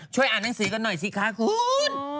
อ่านหนังสือกันหน่อยสิคะคุณ